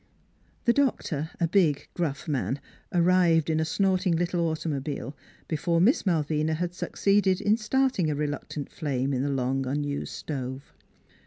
The doctor, a big, gruff man, arrived in a snort ing little automobile before Miss Malvina had succeeded in starting a reluctant flame in the long unused stove.